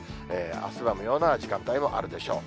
汗ばむような時間帯もあるでしょう。